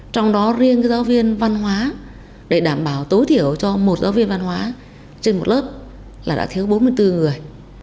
trong đó riêng giáo viên văn hóa để đảm bảo tối thiểu cho một giáo viên văn hóa trên một lớp là đã thiếu bốn mươi bốn người